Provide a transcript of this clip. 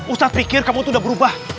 ustadz pikir kamu tuh udah berubah